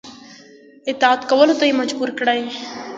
اطاعت کولو ته یې مجبور کړي.